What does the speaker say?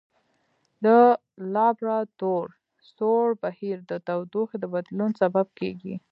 د لابرادور سوړ بهیر د تودوخې د بدلون سبب کیږي.